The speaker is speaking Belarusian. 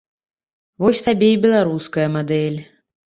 Вось табе і беларуская мадэль.